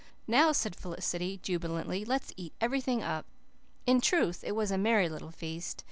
"Now," said Felicity jubilantly, "let's eat everything up." In truth, it was a merry little feast.